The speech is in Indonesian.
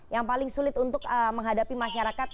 yang paling sulit untuk menghadapi masyarakat